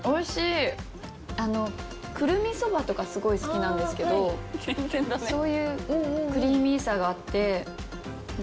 くるみそばとかすごい好きなんですけどそういうクリーミーさがあって。